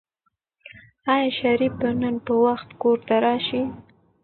آیا شریف به نن په وخت کور ته راشي؟